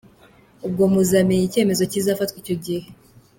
Ubwo muzamenya icyemezo kizafatwa icyo gihe.